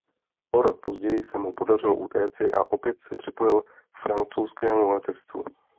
O rok později se mu podařilo utéci a opět se připojit k francouzskému letectvu.